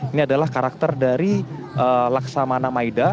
ini adalah karakter dari laksamana maida